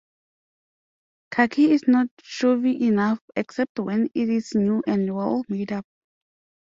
Khaki is not showy enough except when it is new and well made up.